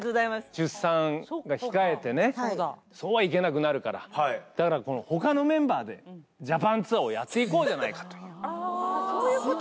出産を控えてね、そうは行けなくなるから、だからこのほかのメンバーで、ジャパンツアーをやっていこうじゃないかと。